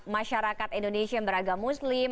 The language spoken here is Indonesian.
masyarakat indonesia yang beragam muslim